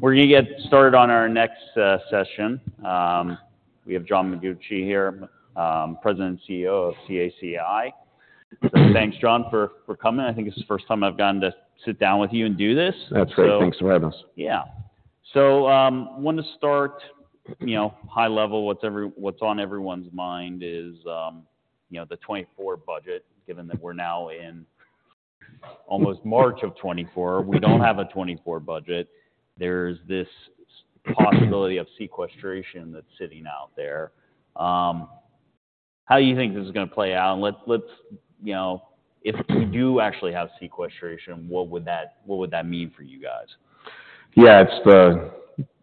We're going to get started on our next session. We have John Mengucci here, President and CEO of CACI. So thanks, John, for coming. I think this is the first time I've gotten to sit down with you and do this. That's great. Thanks for having us. Yeah. So, I wanted to start, you know, high level. What's on everyone's mind is, you know, the 2024 budget, given that we're now in almost March of 2024. We don't have a 2024 budget. There's this possibility of sequestration that's sitting out there. How do you think this is going to play out? And let's, you know, if we do actually have sequestration, what would that mean for you guys? Yeah, it's the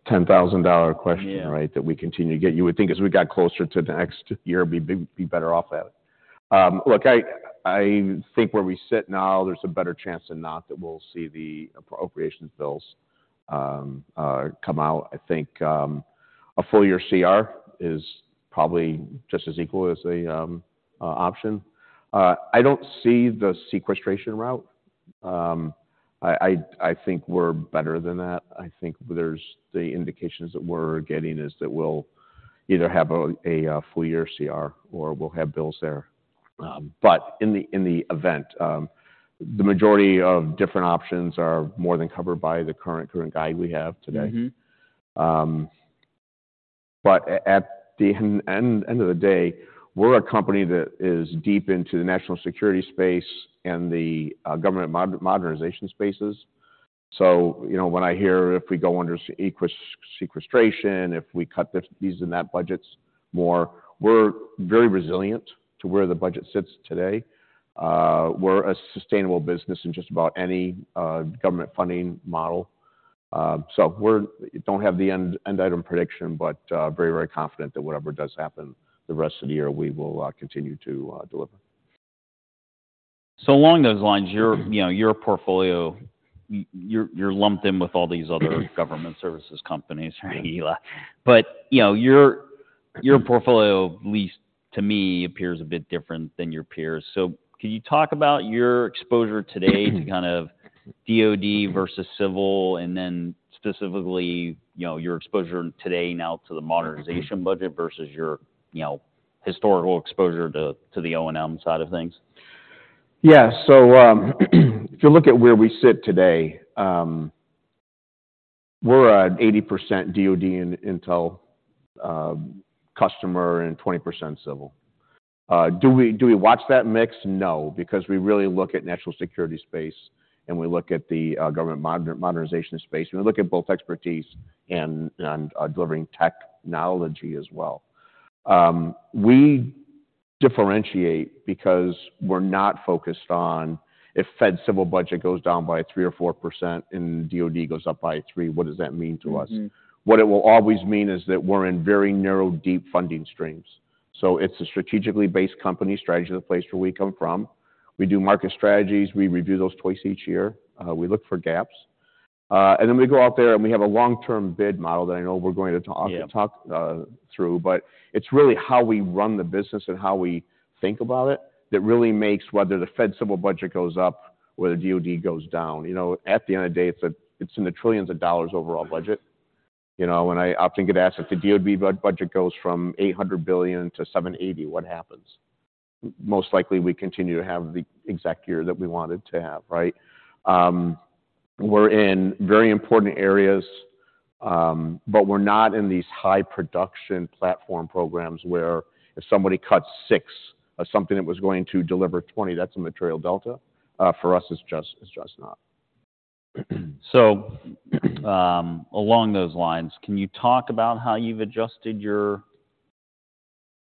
$10,000 question, right, that we continue to get. You would think as we got closer to the next year, we'd be better off at it. Look, I think where we sit now, there's a better chance than not that we'll see the appropriations bills come out. I think a full-year CR is probably just as equal as an option. I don't see the sequestration route. I think we're better than that. I think the indications that we're getting is that we'll either have a full-year CR or we'll have bills there. But in the event, the majority of different options are more than covered by the current guide we have today. Mm-hmm. But at the end of the day, we're a company that is deep into the national security space and the government modernization spaces. So, you know, when I hear if we go under sequestration, if we cut these and that budgets more, we're very resilient to where the budget sits today. We're a sustainable business in just about any government funding model. So we don't have the end item prediction, but very, very confident that whatever does happen the rest of the year, we will continue to deliver. So along those lines, you're, you know, your portfolio, you're lumped in with all these other government services companies, right? But, you know, your portfolio, at least to me, appears a bit different than your peers. So could you talk about your exposure today to kind of DoD versus civil, and then specifically, you know, your exposure today now to the modernization budget versus your, you know, historical exposure to the O&M side of things? Yeah. So, if you look at where we sit today, we're an 80% DoD and Intel customer and 20% civil. Do we watch that mix? No, because we really look at national security space, and we look at the government modernization space. We look at both expertise and delivering technology as well. We differentiate because we're not focused on if Fed civil budget goes down by 3%-4% and DoD goes up by 3%, what does that mean to us? What it will always mean is that we're in very narrow, deep funding streams. So it's a strategically based company, strategy of the place where we come from. We do market strategies. We review those twice each year. We look for gaps. And then we go out there, and we have a long-term bid model that I know we're going to talk. Yeah. talk through, but it's really how we run the business and how we think about it that really makes whether the federal civilian budget goes up or the DoD goes down. You know, at the end of the day, it's in the trillions of dollars overall budget. You know, when the topline DoD budget goes from $800 billion to $780 billion, what happens? Most likely, we continue to have the exact year that we wanted to have, right? We're in very important areas, but we're not in these high-production platform programs where if somebody cuts six of something that was going to deliver 20, that's a material delta. For us, it's just not. Along those lines, can you talk about how you've adjusted your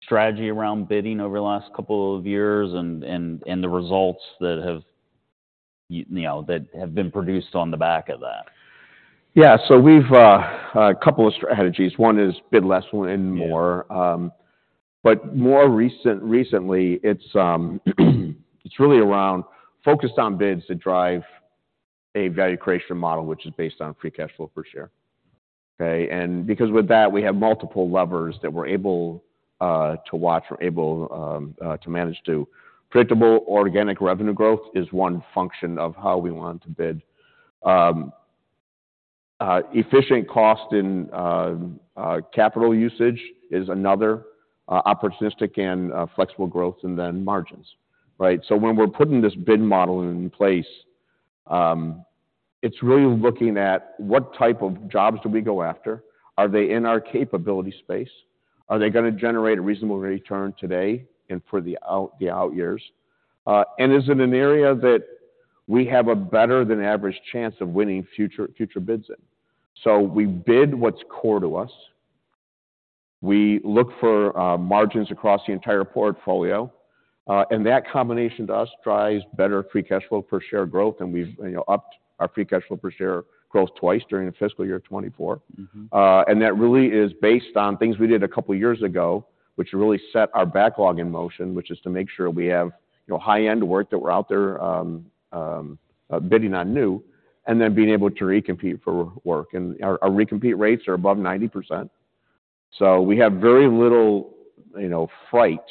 strategy around bidding over the last couple of years and the results, you know, that have been produced on the back of that? Yeah. So we've a couple of strategies. One is bid less, win more. But more recently, it's really around focused on bids that drive a value creation model, which is based on free cash flow per share. Okay? And because with that, we have multiple levers that we're able to watch, we're able to manage to. Predictable organic revenue growth is one function of how we want to bid. Efficient cost and capital usage is another, opportunistic and flexible growth, and then margins, right? So when we're putting this bid model in place, it's really looking at what type of jobs do we go after? Are they in our capability space? Are they going to generate a reasonable return today and for the out years? And is it an area that we have a better-than-average chance of winning future bids in? We bid what's core to us. We look for margins across the entire portfolio, and that combination to us drives better free cash flow per share growth, and we've, you know, upped our free cash flow per share growth twice during the fiscal year 2024. Mm-hmm. That really is based on things we did a couple of years ago, which really set our backlog in motion, which is to make sure we have, you know, high-end work that we're out there bidding on new, and then being able to recompete for work. Our recompete rates are above 90%. So we have very little, you know, risk that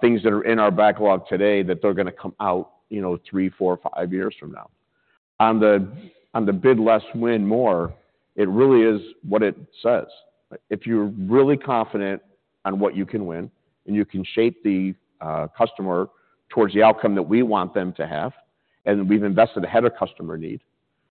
things that are in our backlog today that they're going to come out, you know, 3, 4, 5 years from now. On the bid less, win more, it really is what it says. If you're really confident on what you can win and you can shape the customer towards the outcome that we want them to have, and we've invested ahead of customer need,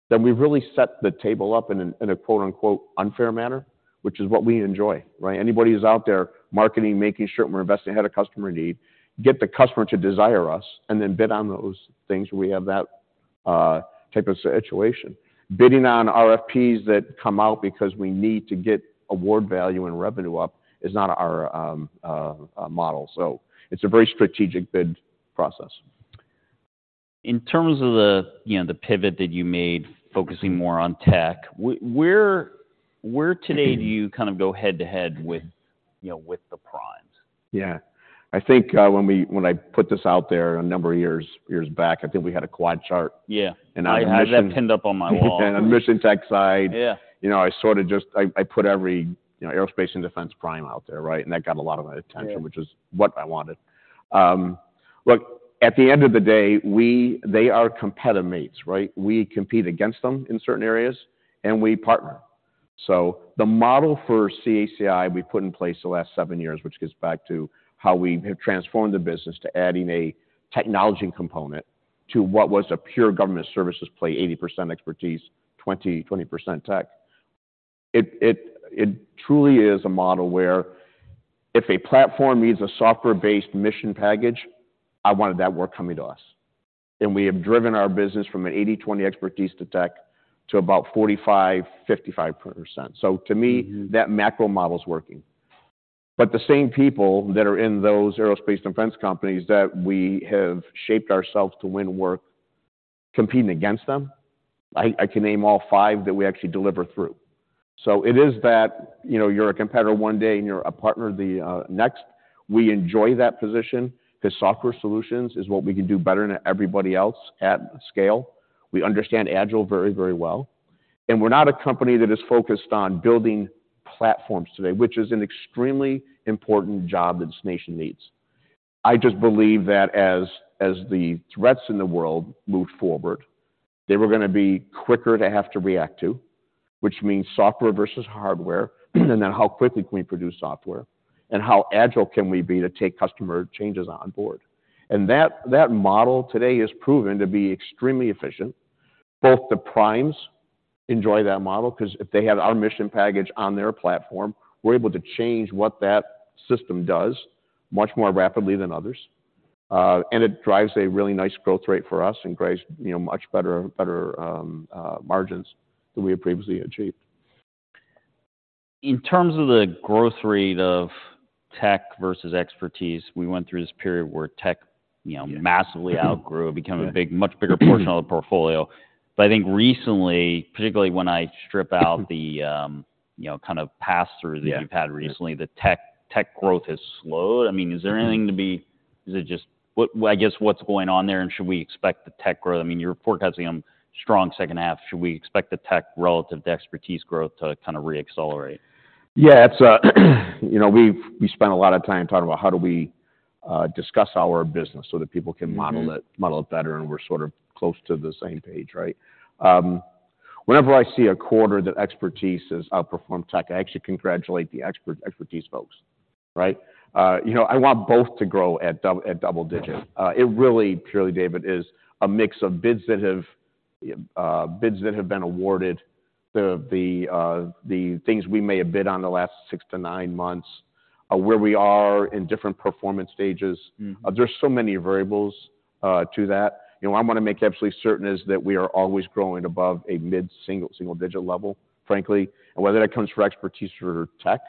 then we've really set the table up in a quote-unquote "unfair manner," which is what we enjoy, right? Anybody who's out there marketing, making sure we're investing ahead of customer need, get the customer to desire us, and then bid on those things where we have that type of situation. Bidding on RFPs that come out because we need to get award value and revenue up is not our model. So it's a very strategic bid process. In terms of the, you know, the pivot that you made focusing more on tech, where today do you kind of go head-to-head with, you know, with the primes? Yeah. I think, when I put this out there a number of years back, I think we had a quad chart. Yeah. And I had. I had that pinned up on my wall. On the mission tech side. Yeah. You know, I sort of just I put every, you know, aerospace and defense prime out there, right? That got a lot of attention. Yeah. Which is what I wanted. Look, at the end of the day, we they are competitive mates, right? We compete against them in certain areas, and we partner. So the model for CACI we put in place the last 7 years, which gets back to how we have transformed the business to adding a technology component to what was a pure government services play, 80% expertise, 20% tech. It, it, it truly is a model where if a platform needs a software-based mission package, I wanted that work coming to us. And we have driven our business from an 80/20 expertise to tech to about 45%-55%. So to me, that macro model's working. But the same people that are in those aerospace defense companies that we have shaped ourselves to win work competing against them, I, I can name all five that we actually deliver through. So it is that, you know, you're a competitor one day and you're a partner the next. We enjoy that position because software solutions is what we can do better than everybody else at scale. We understand agile very, very well. And we're not a company that is focused on building platforms today, which is an extremely important job that this nation needs. I just believe that as the threats in the world move forward, they were going to be quicker to have to react to, which means software versus hardware, and then how quickly can we produce software, and how agile can we be to take customer changes on board. And that model today is proven to be extremely efficient. Both the primes enjoy that model because if they had our mission package on their platform, we're able to change what that system does much more rapidly than others. It drives a really nice growth rate for us and drives, you know, much better, better, margins than we had previously achieved. In terms of the growth rate of tech versus expertise, we went through this period where tech, you know, massively outgrew, became a big much bigger portion of the portfolio. But I think recently, particularly when I strip out the, you know, kind of pass-through that you've had recently, the tech, tech growth has slowed. I mean, is there anything to be is it just what, I guess, what's going on there, and should we expect the tech growth? I mean, you're forecasting a strong second half. Should we expect the tech relative to expertise growth to kind of reaccelerate? Yeah. It's, you know, we've spent a lot of time talking about how do we discuss our business so that people can model it better, and we're sort of close to the same page, right? Whenever I see a quarter that expertise has outperformed tech, I actually congratulate the expertise folks, right? You know, I want both to grow at double-digit. It really, purely, David, is a mix of bids that have been awarded, you know, the things we may have bid on the last six to nine months, where we are in different performance stages. Mm-hmm. are so many variables to that. You know, what I want to make absolutely certain is that we are always growing above a mid-single-digit level, frankly. And whether that comes from expertise or tech,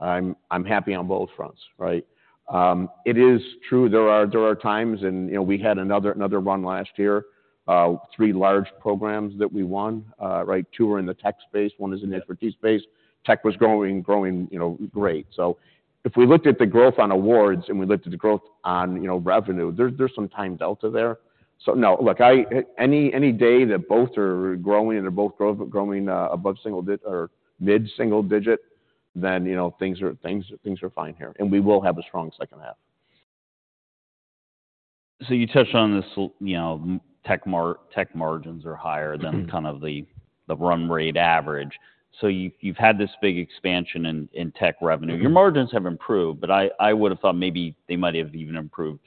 I'm happy on both fronts, right? It is true. There are times and, you know, we had another run last year, 3 large programs that we won, right? 2 were in the tech space. 1 is in the expertise space. Tech was growing, you know, great. So if we looked at the growth on awards and we looked at the growth on, you know, revenue, there's some time delta there. So no, look, any day that both are growing and they're both growing above single-digit or mid-single-digit, then, you know, things are fine here. And we will have a strong second half. So you touched on this, you know, tech margins are higher than kind of the run rate average. So you've had this big expansion in tech revenue. Your margins have improved, but I would have thought maybe they might have even improved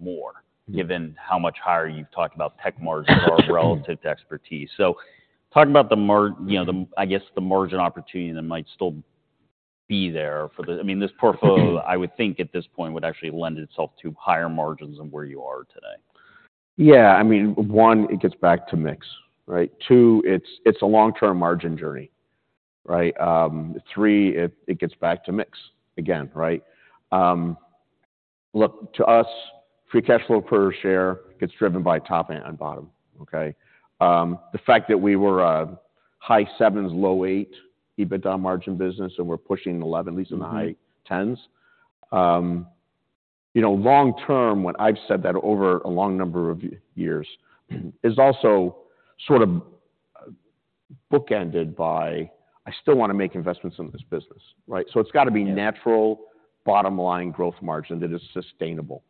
more given how much higher you've talked about tech margins are relative to expertise. So talking about the margin, you know, I guess the margin opportunity that might still be there for, I mean, this portfolio, I would think at this point would actually lend itself to higher margins than where you are today. Yeah. I mean, 1, it gets back to mix, right? 2, it's, it's a long-term margin journey, right? 3, it, it gets back to mix again, right? Look, to us, free cash flow per share gets driven by top and bottom, okay? The fact that we were a high 7s, low 8 EBITDA margin business, and we're pushing 11, at least in the high 10s. You know, long-term, when I've said that over a long number of years, is also sort of bookended by, "I still want to make investments in this business," right? So it's got to be natural bottom-line growth margin that is sustainable.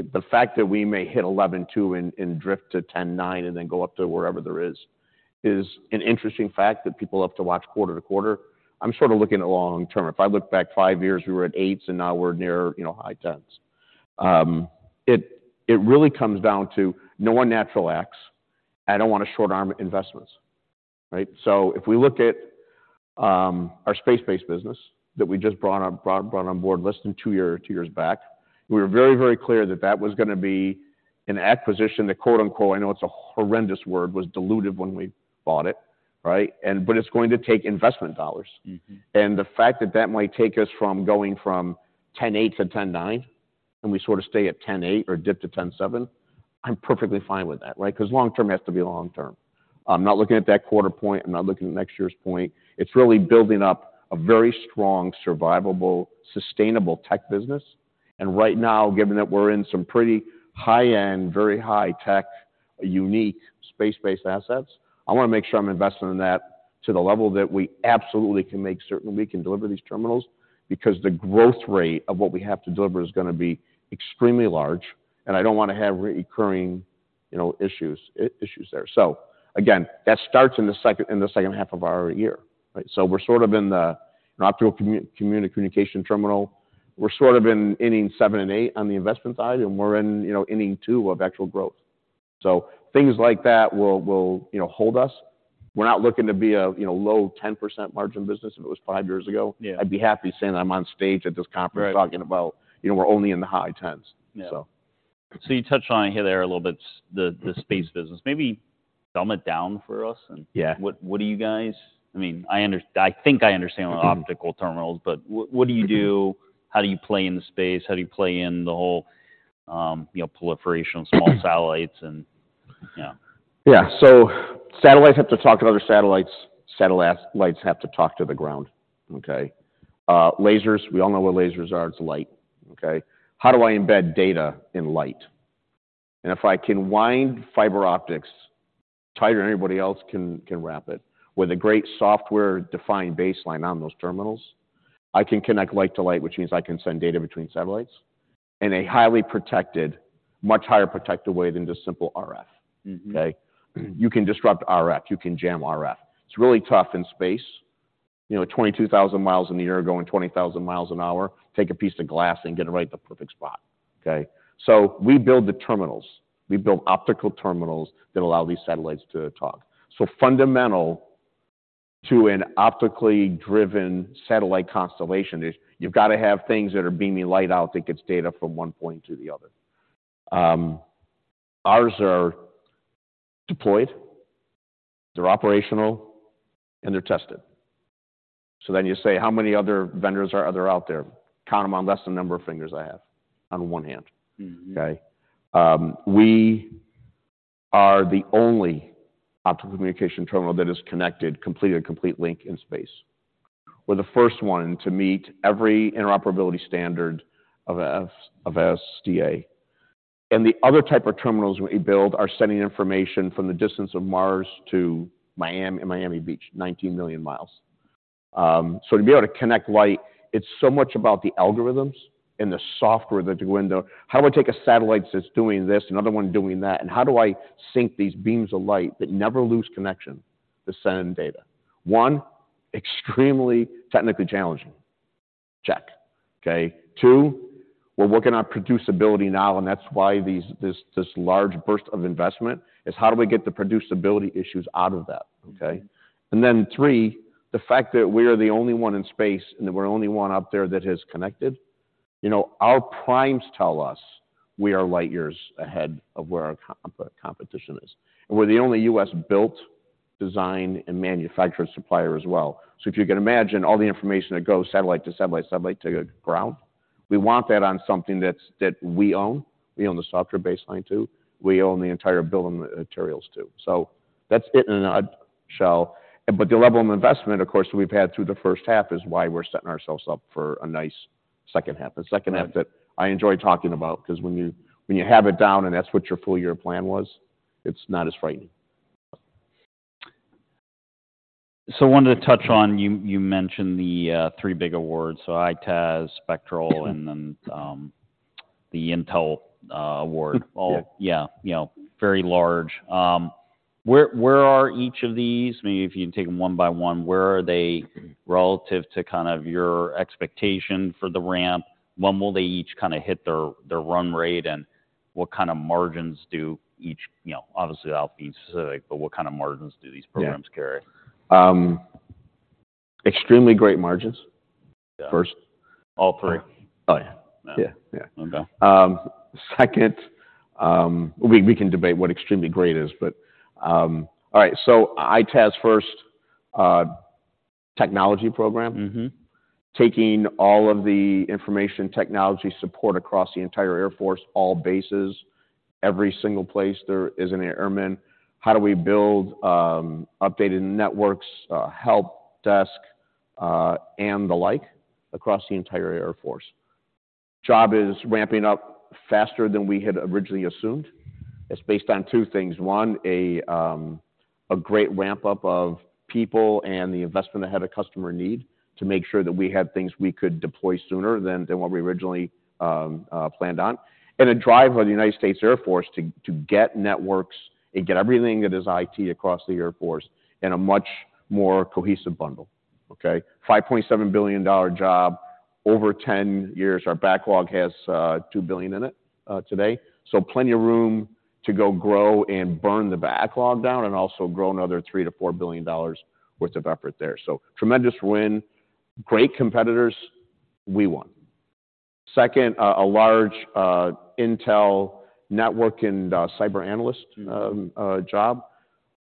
The fact that we may hit 11.2, and, and drift to 10.9, and then go up to wherever there is is an interesting fact that people have to watch quarter to quarter. I'm sort of looking at long-term. If I look back five years, we were at eights, and now we're near, you know, high tens. It really comes down to no unnatural acts. I don't want to short-arm investments, right? So if we look at our space-based business that we just brought on board less than two years back, we were very, very clear that that was going to be an acquisition that, quote-unquote, "I know it's a horrendous word," was diluted when we bought it, right? But it's going to take investment dollars. Mm-hmm. The fact that that might take us from going from 10.8 to 10.9, and we sort of stay at 10.8 or dip to 10.7, I'm perfectly fine with that, right? Because long-term has to be long-term. I'm not looking at that quarter point. I'm not looking at next year's point. It's really building up a very strong, survivable, sustainable tech business. And right now, given that we're in some pretty high-end, very high-tech, unique space-based assets, I want to make sure I'm investing in that to the level that we absolutely can make certain we can deliver these terminals because the growth rate of what we have to deliver is going to be extremely large, and I don't want to have recurring, you know, issues, issues there. So again, that starts in the second half of our year, right? So we're sort of in the, you know, Optical Communication Terminal. We're sort of in inning 7 and 8 on the investment side, and we're in, you know, inning 2 of actual growth. So things like that will, you know, hold us. We're not looking to be a, you know, low 10% margin business if it was 5 years ago. Yeah. I'd be happy saying that I'm on stage at this conference talking about, you know, we're only in the high tens, so. Yeah. So you touched on it here and there a little bit, the space business. Maybe dumb it down for us and. Yeah. What do you guys—I mean, I think I understand what optical terminals, but what do you do? How do you play in the space? How do you play in the whole, you know, proliferation of small satellites and, you know? Yeah. So satellites have to talk to other satellites. Satellites have to talk to the ground, okay? Lasers, we all know what lasers are. It's light, okay? How do I embed data in light? And if I can wind fiber optics tighter than anybody else can, can wrap it with a great software-defined baseline on those terminals, I can connect light to light, which means I can send data between satellites in a highly protected, much higher protected way than just simple RF, okay? You can disrupt RF. You can jam RF. It's really tough in space. You know, 22,000 miles in the year going 20,000 miles an hour, take a piece of glass and get it right at the perfect spot, okay? So we build the terminals. We build optical terminals that allow these satellites to talk. So fundamental to an optically driven satellite constellation is you've got to have things that are beaming light out that gets data from one point to the other. Ours are deployed. They're operational, and they're tested. So then you say, "How many other vendors are there out there?" Count them on less than the number of fingers I have on one hand, okay? We are the only Optical Communication Terminal that is connected completely to a complete link in space. We're the first one to meet every interoperability standard of a SDA. And the other type of terminals we build are sending information from the distance of Mars to Miami and Miami Beach, 19 million miles. So to be able to connect light, it's so much about the algorithms and the software that go into how do I take a satellite that's doing this and another one doing that, and how do I sync these beams of light that never lose connection to send data? One, extremely technically challenging. Check, okay? Two, we're working on producibility now, and that's why this, this large burst of investment is how do we get the producibility issues out of that, okay? And then three, the fact that we are the only one in space and that we're the only one out there that has connected, you know, our primes tell us we are light-years ahead of where our competition is. And we're the only US-built, designed, and manufactured supplier as well. So if you can imagine all the information that goes satellite to satellite, satellite to ground, we want that on something that's that we own. We own the software baseline too. We own the entire building materials too. So that's it in a nutshell. But the level of investment, of course, that we've had through the first half is why we're setting ourselves up for a nice second half. The second half that I enjoy talking about because when you when you have it down and that's what your full-year plan was, it's not as frightening. So I wanted to touch on, you mentioned the three big awards. So EITaaS, Spectral, and then the Intel award. All, yeah, you know, very large. Where are each of these? Maybe if you can take them one by one, where are they relative to kind of your expectation for the ramp? When will they each kind of hit their run rate, and what kind of margins do each, you know, obviously, without being specific, but what kind of margins do these programs carry? Extremely great margins first. All three? Oh, yeah. Yeah, yeah. Second, we can debate what extremely great is, but all right. So EITaaS first, technology program. Mm-hmm. Taking all of the information technology support across the entire Air Force, all bases, every single place there is an airman. How do we build updated networks, help desk, and the like across the entire Air Force? Job is ramping up faster than we had originally assumed. It's based on two things. One, a great ramp-up of people and the investment ahead of customer need to make sure that we had things we could deploy sooner than what we originally planned on. And a drive of the United States Air Force to get networks and get everything that is IT across the Air Force in a much more cohesive bundle, okay? $5.7 billion job. Over 10 years, our backlog has $2 billion in it today. So plenty of room to go grow and burn the backlog down and also grow another $3 billion-$4 billion worth of effort there. So tremendous win. Great competitors. We won. Second, a large Intel networking cyber analyst job.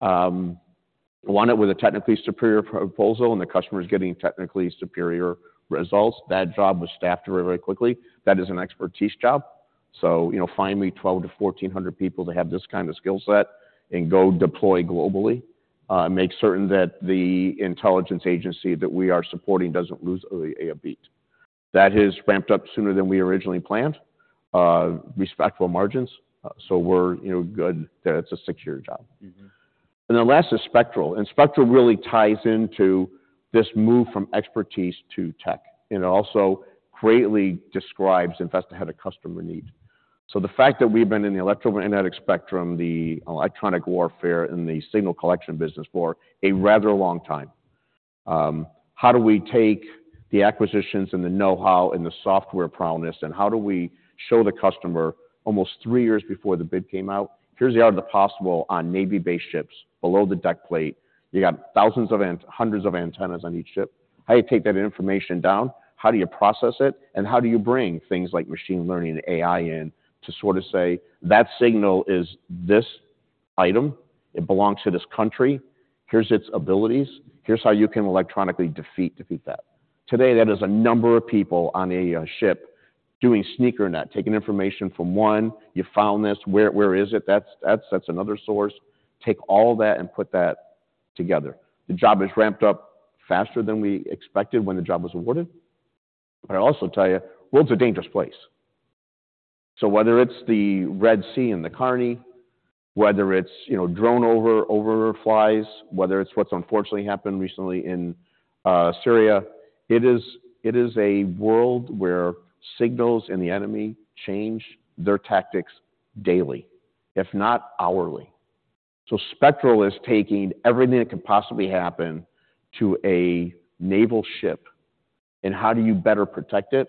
Won it with a technically superior proposal, and the customer's getting technically superior results. That job was staffed very, very quickly. That is an expertise job. So, you know, find me 1,200-1,400 people that have this kind of skill set and go deploy globally, and make certain that the intelligence agency that we are supporting doesn't lose a beat. That has ramped up sooner than we originally planned. Respectful margins. So we're, you know, good there. It's a secure job. Mm-hmm. Then last is Spectral. Spectral really ties into this move from expertise to tech. It also greatly describes investment ahead of customer need. So the fact that we've been in the electromagnetic spectrum, the Electronic Warfare in the signal collection business for a rather long time, how do we take the acquisitions and the know-how and the software prowess, and how do we show the customer almost 3 years before the bid came out, "Here's the art of the possible on Navy-based ships below the deck plate. You got thousands of hundreds of antennas on each ship. How do you take that information down? How do you process it? And how do you bring things like machine learning and AI in to sort of say, 'That signal is this item. It belongs to this country. Here's its abilities. Here's how you can electronically defeat, defeat that'? Today, that is a number of people on a ship doing sneakernet, taking information from one. You found this. Where is it? That's another source. Take all that and put that together. The job has ramped up faster than we expected when the job was awarded. But I'll also tell you, world's a dangerous place. So whether it's the Red Sea and the Houthi, whether it's, you know, drone overflies, whether it's what's unfortunately happened recently in Syria, it is a world where signals and the enemy change their tactics daily, if not hourly. So Spectral is taking everything that can possibly happen to a naval ship, and how do you better protect it,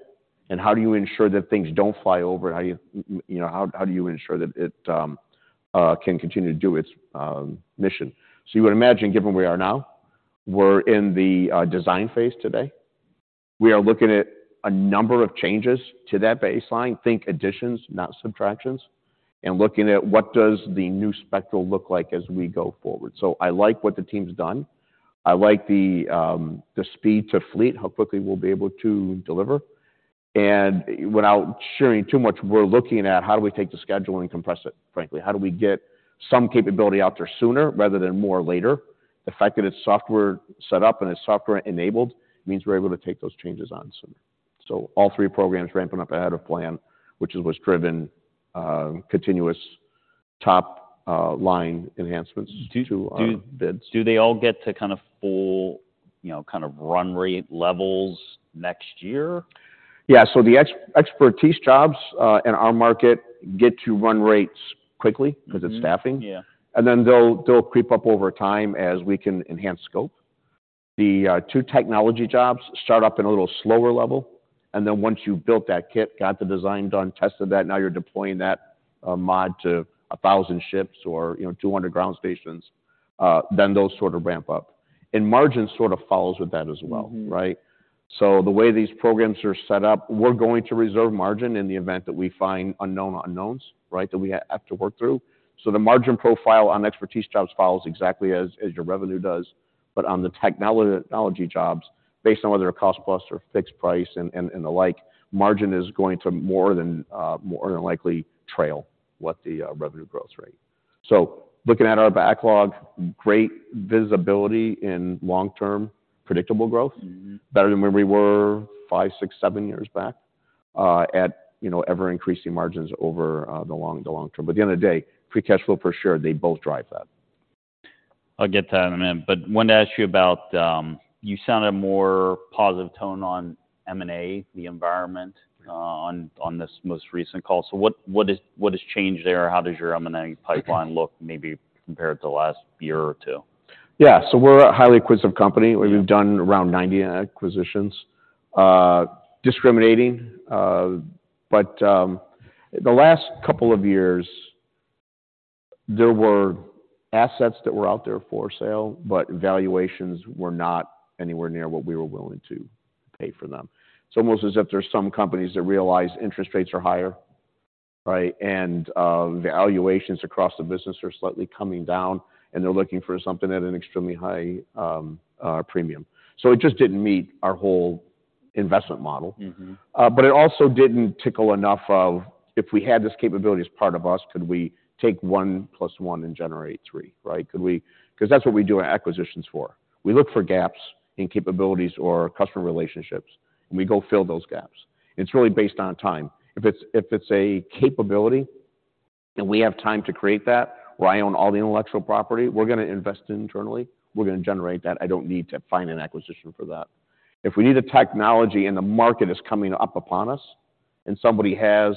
and how do you ensure that things don't fly over, and how do you, you know, how do you ensure that it can continue to do its mission? So you would imagine, given where we are now, we're in the design phase today. We are looking at a number of changes to that baseline. Think additions, not subtractions. And looking at what does the new Spectral look like as we go forward. So I like what the team's done. I like the speed to fleet, how quickly we'll be able to deliver. And without sharing too much, we're looking at how do we take the schedule and compress it, frankly? How do we get some capability out there sooner rather than more later? The fact that it's software set up and it's software enabled means we're able to take those changes on sooner. So all three programs ramping up ahead of plan, which is what's driven continuous top-line enhancements to bids. Do they all get to kind of full, you know, kind of run rate levels next year? Yeah. So the expertise jobs in our market get to run rates quickly because it's staffing. Yeah. And then they'll creep up over time as we can enhance scope. The two technology jobs start up at a little slower level. And then once you've built that kit, got the design done, tested that, now you're deploying that, mod to 1,000 ships or, you know, 200 ground stations, then those sort of ramp up. And margin sort of follows with that as well, right? So the way these programs are set up, we're going to reserve margin in the event that we find unknown unknowns, right, that we have to work through. So the margin profile on expertise jobs follows exactly as your revenue does. But on the technology jobs, based on whether it's cost-plus or fixed price and the like, margin is going to more than likely trail what the revenue growth rate. So looking at our backlog, great visibility in long-term predictable growth, better than where we were 5, 6, 7 years back, you know, ever-increasing margins over the long term. But at the end of the day, free cash flow for sure. They both drive that. I'll get to that in a minute. But I wanted to ask you about, you sounded a more positive tone on M&A, the environment, on this most recent call. So what has changed there? How does your M&A pipeline look, maybe compared to the last year or two? Yeah. So we're a highly acquisitive company. We've done around 90 acquisitions, discriminating, but the last couple of years, there were assets that were out there for sale, but valuations were not anywhere near what we were willing to pay for them. It's almost as if there's some companies that realize interest rates are higher, right, and valuations across the business are slightly coming down, and they're looking for something at an extremely high premium. So it just didn't meet our whole investment model. Mm-hmm. but it also didn't tickle enough of, "If we had this capability as part of us, could we take one plus one and generate three, right? Could we?" Because that's what we do our acquisitions for. We look for gaps in capabilities or customer relationships, and we go fill those gaps. And it's really based on time. If it's a capability and we have time to create that, where I own all the intellectual property, we're going to invest internally. We're going to generate that. I don't need to find an acquisition for that. If we need a technology and the market is coming up upon us and somebody has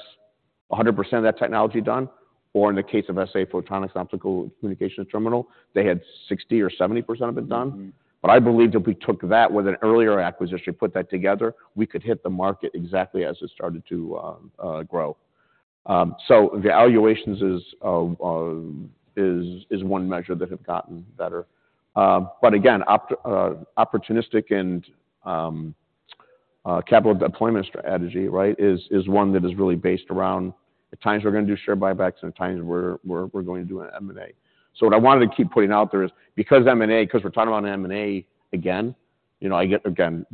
100% of that technology done, or in the case of SA Photonics Optical Communication Terminal, they had 60 or 70% of it done. I believe that if we took that with an earlier acquisition, put that together, we could hit the market exactly as it started to grow. So valuations is one measure that have gotten better. But again, opportunistic and capital deployment strategy, right, is one that is really based around at times we're going to do share buybacks and at times we're going to do an M&A. So what I wanted to keep putting out there is because M&A because we're talking about an M&A again, you know, I get again,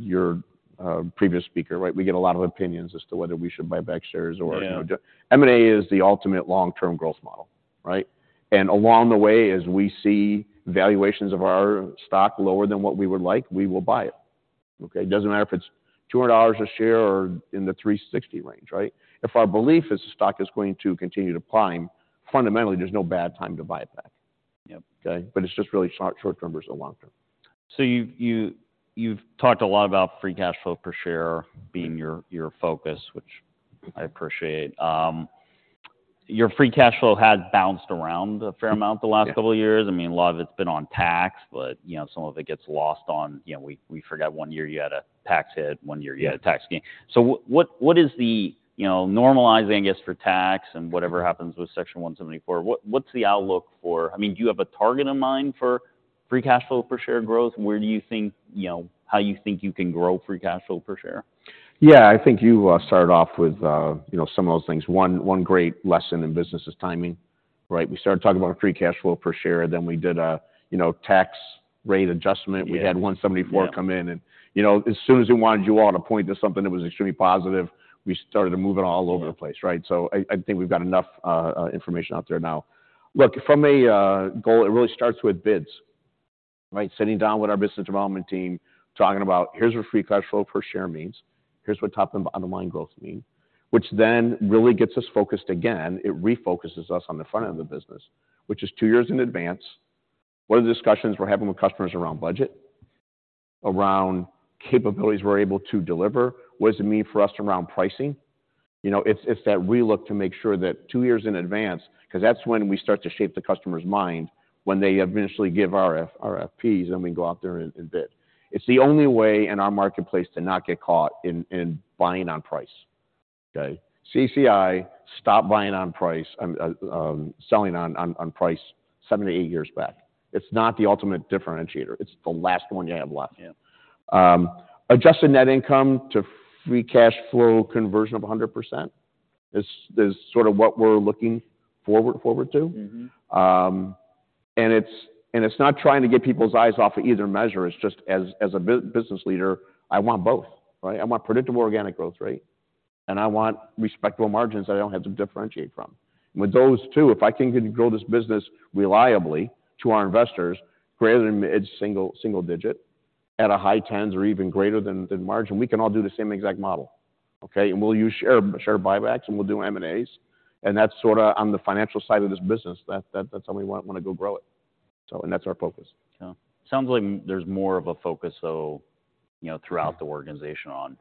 your previous speaker, right, we get a lot of opinions as to whether we should buy back shares or, you know, M&A is the ultimate long-term growth model, right? And along the way, as we see valuations of our stock lower than what we would like, we will buy it, okay? It doesn't matter if it's $200 a share or in the $360 range, right? If our belief is the stock is going to continue to climb, fundamentally, there's no bad time to buy it back. Yep. Okay? But it's just really short-term versus the long-term. So you've talked a lot about Free Cash Flow per Share being your focus, which I appreciate. Your Free Cash Flow per Share has bounced around a fair amount the last couple of years. I mean, a lot of it's been on tax, but, you know, some of it gets lost on, you know, we forgot one year you had a tax hit, one year you had a tax gain. So what is the, you know, normalizing, I guess, for tax and whatever happens with Section 174? What's the outlook? I mean, do you have a target in mind for Free Cash Flow per Share growth? Where do you think, you know, how you think you can grow Free Cash Flow per Share? Yeah. I think you started off with, you know, some of those things. One great lesson in business is timing, right? We started talking about free cash flow per share. Then we did a, you know, tax rate adjustment. We had 174 come in. And, you know, as soon as we wanted you all to point to something that was extremely positive, we started to move it all over the place, right? So I think we've got enough information out there now. Look, from a goal, it really starts with bids, right? Sitting down with our business development team, talking about, "Here's what free cash flow per share means. Here's what top and bottom line growth mean," which then really gets us focused again. It refocuses us on the front end of the business, which is two years in advance. What are the discussions we're having with customers around budget, around capabilities we're able to deliver? What does it mean for us around pricing? You know, it's, it's that relook to make sure that two years in advance because that's when we start to shape the customer's mind, when they eventually give our RFPs, and then we go out there and, and bid. It's the only way in our marketplace to not get caught in, in buying on price, okay? CACI, stop buying on price, selling on, on, on price 7-8 years back. It's not the ultimate differentiator. It's the last one you have left. Yeah. Adjusting net income to free cash flow conversion of 100% is sort of what we're looking forward to. Mm-hmm. And it's not trying to get people's eyes off of either measure. It's just as a business leader, I want both, right? I want predictable organic growth rate, and I want respectable margins that I don't have to differentiate from. And with those two, if I can grow this business reliably to our investors greater than its single digit at a high tens or even greater than margin, we can all do the same exact model, okay? And we'll use share buybacks, and we'll do M&As. And that's sort of on the financial side of this business. That's how we want to grow it. So that's our focus. Yeah. Sounds like there's more of a focus, though, you know, throughout the organization on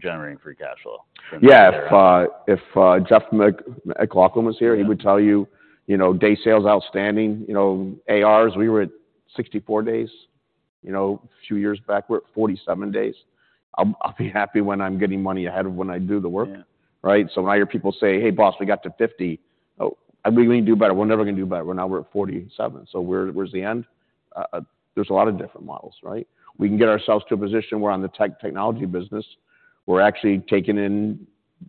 generating free cash flow than the share. Yeah. If Jeff MacLauchlan was here, he would tell you, you know, day sales outstanding. You know, ARs, we were at 64 days. You know, a few years back, we're at 47 days. I'll be happy when I'm getting money ahead of when I do the work, right? So when I hear people say, "Hey, boss, we got to 50," oh, we're going to do better. We're never going to do better. Right now, we're at 47. So where's the end? There's a lot of different models, right? We can get ourselves to a position where on the tech, technology business, we're actually taking in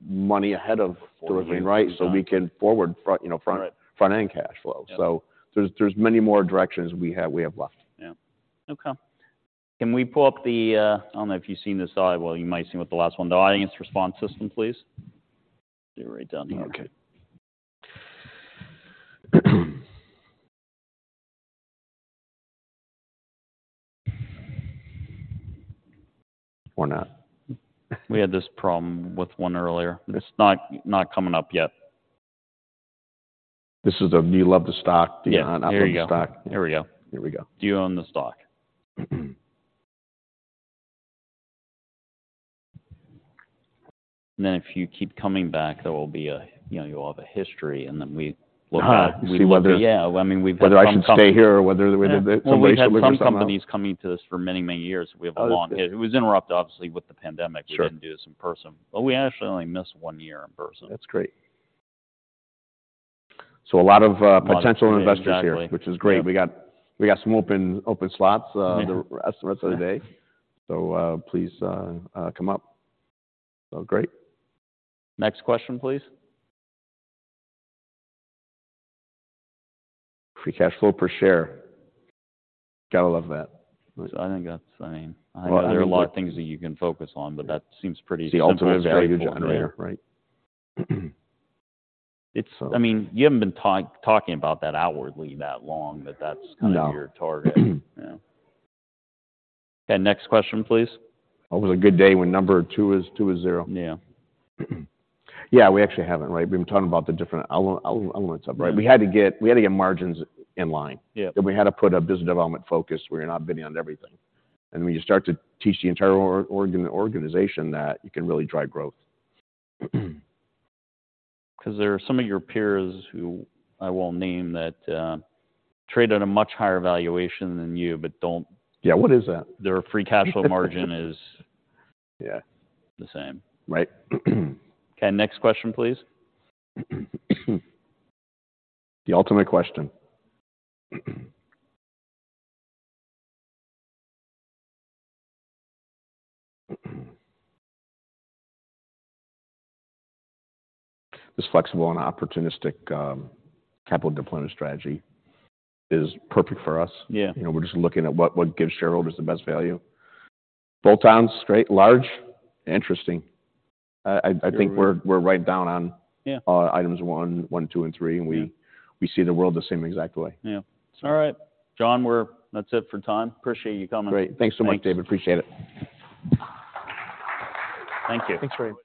money ahead of. Forward. Thoroughly, right? So we can forward front, you know, front end cash flow. So there's many more directions we have left. Yeah. Okay. Can we pull up the, I don't know if you've seen this slide. Well, you might have seen with the last one, the audience response system, please. Let's see it right down here. Okay. Or not. We had this problem with one earlier. It's not coming up yet. This is the Do You Love the Stock? Yeah. The Unapproved Stock. Here we go. Here we go. Do you own the stock? And then if you keep coming back, there will be a, you know, you'll have a history. And then we look at. see whether. Yeah. I mean, we've had some. Whether I should stay here or whether we did. Somebody should leave us out. We've had some companies coming to this for many, many years. We have a long. Yeah. It was interrupted, obviously, with the pandemic. Yeah. We didn't do this in person. But we actually only missed one year in person. That's great. So a lot of potential investors here, which is great. We got some open slots the rest of the day. So, please, come up. So great. Next question, please. Free Cash Flow per Share. Gotta love that. I think that's, I mean, there are a lot of things that you can focus on, but that seems pretty simple. The ultimate value generator, right? It's I mean, you haven't been talking about that outwardly that long, that that's kind of your target. No. Yeah. Okay. Next question, please. Always a good day when number 2 is 2.0. Yeah. Yeah. We actually haven't, right? We've been talking about the different elements, right? We had to get margins in line. Yeah. We had to put a business development focus where you're not bidding on everything. When you start to teach the entire organization that you can really drive growth. Because there are some of your peers who I won't name that trade at a much higher valuation than you but don't. Yeah. What is that? Their free cash flow margin is. Yeah. The same. Right. Okay. Next question, please. The ultimate question. This flexible and opportunistic capital deployment strategy is perfect for us. Yeah. You know, we're just looking at what gives shareholders the best value. Boltowns, great. Large, interesting. I think we're right down on. Yeah. All items 1, 1, 2, and 3. We see the world the same exact way. Yeah. All right. John, we're, that's it for time. Appreciate you coming. Great. Thanks so much, David. Appreciate it. Thank you.